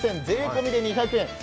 税込みで２００円。